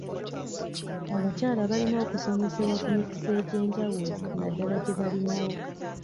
Abakyala balina okusomesebwa ku mikisa egy'enjawulo na ddala gye balinawo.